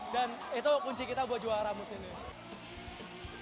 dan itu kunci kita buat juara musim ini